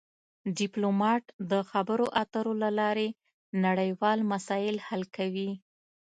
ډیپلومات د خبرو اترو له لارې نړیوال مسایل حل کوي